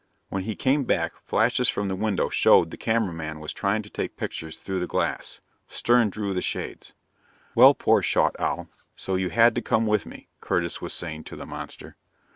When he came back, flashes from the window showed the cameraman was trying to take pictures through the glass. Stern drew the shades. "Well, poor Schaughtowl, so you had to come with me," Curtis was saying to the monster.